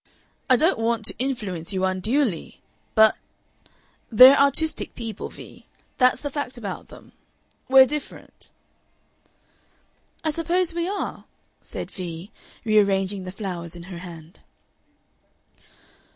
I don't want to influence you unduly But They're artistic people, Vee. That's the fact about them. We're different." "I suppose we are," said Vee, rearranging the flowers in her hand.